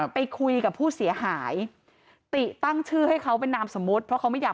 ไปคุยกับผู้เสียหายติตั้งชื่อให้เขาเป็นนามสมมุติเพราะเขาไม่อยาก